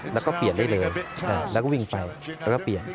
แล้วก็เปลี่ยนได้เลยแล้วก็วิ่งไปแล้วก็เปลี่ยน